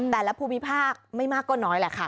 ภูมิภาคไม่มากก็น้อยแหละค่ะ